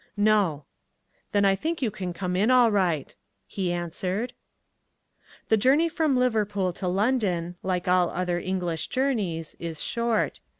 "No." "Then I think you can come in all right." he answered. The journey from Liverpool to London, like all other English journeys, is short.